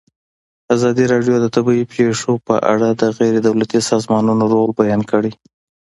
ازادي راډیو د طبیعي پېښې په اړه د غیر دولتي سازمانونو رول بیان کړی.